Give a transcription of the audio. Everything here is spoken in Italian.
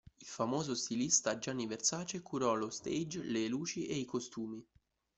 Il famoso stilista Gianni Versace curò lo stage, le luci e i costumi.